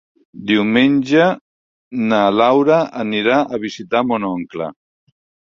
Diumenge na Laura anirà a visitar mon oncle.